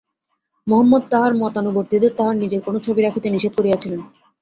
মহম্মদ তাঁহার মতানুবর্তীদের তাঁহার নিজের কোন ছবি রাখিতে নিষেধ করিয়াছিলেন।